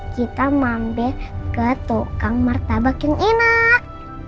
kita mampir ke tukang martabak yang enak